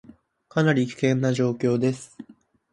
かなり危険な状況です